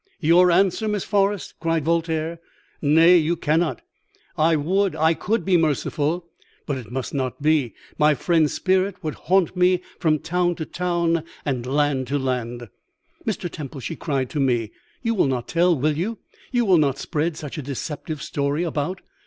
"'You answer, Miss Forrest?' cried Voltaire. 'Nay, you cannot. I would I could be merciful, but it must not be. My friend's spirit would haunt me from town to town and land to land.' "'Mr. Temple,' she cried to me, 'you will not tell, will you? You will not spread such a deceptive story about?'